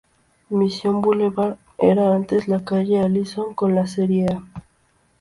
Mission Boulevard era antes la Calle Allison, con la serie "A".